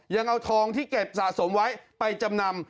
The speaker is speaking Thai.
ยังเอาทองที่เก็บสะสมไว้ไปจำนำ